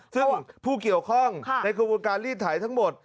ซึ่งผู้เกี่ยวข้องในกระบวนการลีดไถทั้งหมด